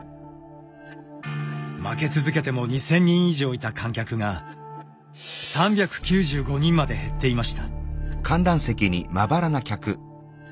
負け続けても２，０００人以上いた観客が３９５人まで減っていました。